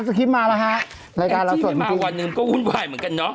สคริปต์มาแล้วฮะรายการเราส่งมาวันหนึ่งก็หุ้นวายเหมือนกันเนอะ